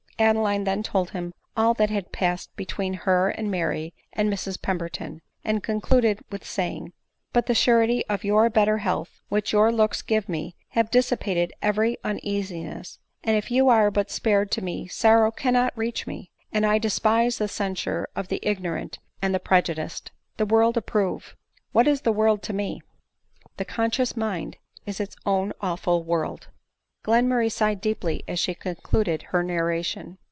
Adeline then told him all that had passed between her and Mary and Mrs Pemberton, and concluded with say ing, " But the surety of your better health, which your looks give me, has dissipated every uneasiness ; and if *& 150 ADELINE MOWBRAY. * you are but spared to me, sorrow cannot reach me, and I despise the censure of the ignorant and the prejudiced* The world approve ! What is the world to me ?—( The conscious mind is its own awful world !'" Glenmurray sighed deeply as she concluded her nar ration.